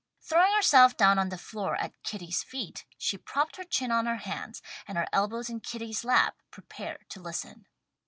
Throwing herself down on the floor at Kitty's feet, she propped her chin on her hands, and her elbows in Kitty's lap, prepared to listen.